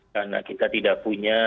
karena kita tidak punya